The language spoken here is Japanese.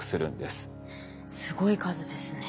すごい数ですね。